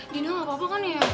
gini gak apa apa kan ya